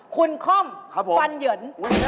คุณค่อมฟันเหยิน